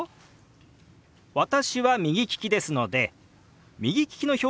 私は右利きですので右利きの表現で説明しますよ。